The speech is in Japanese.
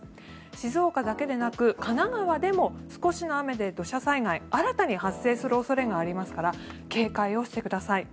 静岡だけでなく神奈川でも少しの雨で土砂災害が新たに発生する恐れがありますから警戒をしてください。